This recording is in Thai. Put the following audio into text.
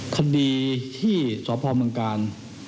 คดีที่สภาวะบริการ